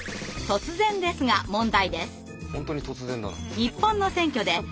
突然ですが問題です。